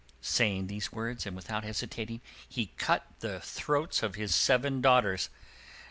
Saying these words, and without hesitating, he cut the throats of his seven daughters.